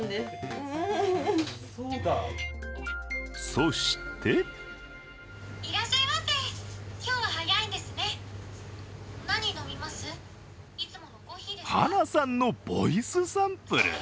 そして晴名さんのボイスサンプル。